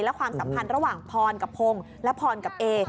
และความสัมพันธ์ระหว่างพรกับพงศ์และพรกับเอ